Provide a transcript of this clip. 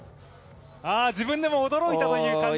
自分でも驚いたという感じ。